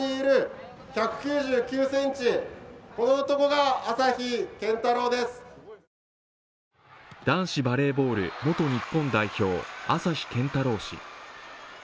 男子バレーボール元日本代表、朝日健太郎氏。